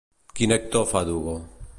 Quin actor fa d'Hugo?